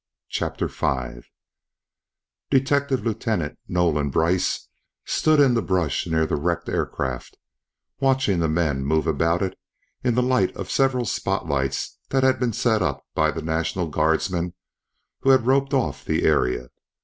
CHAPTER FIVE Detective Lieutenant Nolan Brice stood in the brush near the wrecked aircraft, watching the men move about in the light of several spotlights that had been set up by the National Guardsmen who had roped off the area.